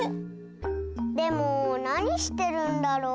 でもなにしてるんだろう？